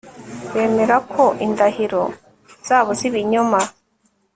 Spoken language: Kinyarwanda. bemera ko indahiro zabo z'ibinyoma